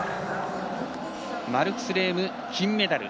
マルクス・レーム、金メダル。